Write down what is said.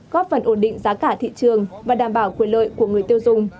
góp phần ổn định giá cả thị trường và đảm bảo quyền lợi của người tiêu dùng